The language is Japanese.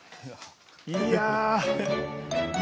いや。